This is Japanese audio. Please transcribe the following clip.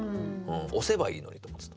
押せばいいのにと思ってた。